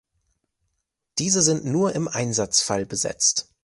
Diese sind nur im Einsatzfall besetzt.